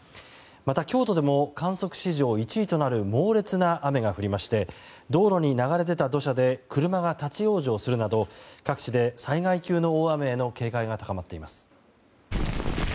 また、京都でも観測史上１位となる猛烈な雨が降りまして道路に流れ出た土砂で車が立ち往生するなど各地で災害級の大雨への警戒が高まっています。